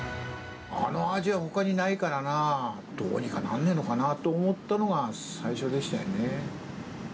あの味はほかにないからなあ、どうにかなんねぇのかなと思ったのが、最初でしたよね。